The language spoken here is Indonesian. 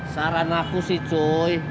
saran aku sih cuy